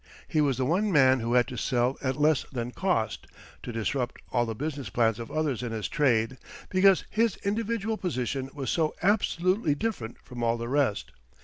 He was the one man who had to sell at less than cost, to disrupt all the business plans of others in his trade, because his individual position was so absolutely different from all the rest.